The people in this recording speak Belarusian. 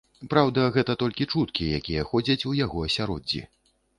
Праўда, гэта толькі чуткі, якія ходзяць у яго асяроддзі.